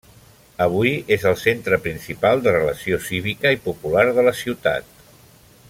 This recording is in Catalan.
Avui és el centre principal de relació cívica i popular de la ciutat.